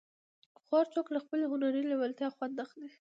هر څوک له خپلې هنري لېوالتیا خوند اخلي.